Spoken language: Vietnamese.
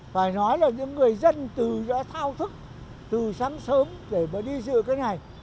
phải nói là những người dân từ đã thao thức từ sáng sớm để mà đi dựa cái này